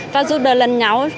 và giúp đỡ lần nhau